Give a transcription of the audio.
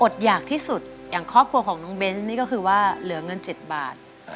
อยากที่สุดอย่างครอบครัวของน้องเบนส์นี่ก็คือว่าเหลือเงิน๗บาท